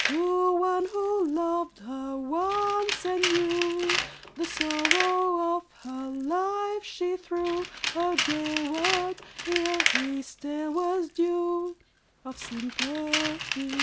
To one who loved her once and knew The sorrow of her life, she threw A gay word, ere his tale was due Of sympathies.